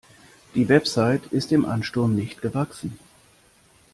Die Website ist dem Ansturm nicht gewachsen.